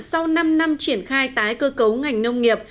sau năm năm triển khai tái cơ cấu ngành nông nghiệp